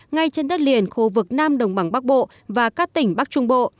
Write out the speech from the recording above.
ngay trên đất liền khu vực nam đồng bằng bắc bộ và các tỉnh bắc trung bộ